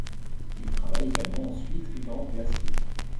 Il travaille également ensuite dans l'acier.